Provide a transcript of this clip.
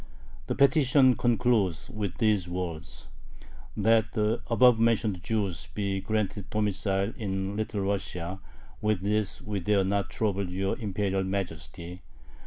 The petition concludes with these words: That the above mentioned Jews be granted domicile in Little Russia, with this we dare not trouble your Imperial Majesty.